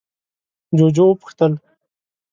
جُوجُو وپوښتل: